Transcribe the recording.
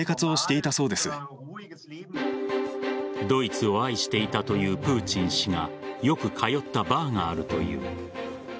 ドイツを愛していたというプーチン氏がよく通ったバーがあるという。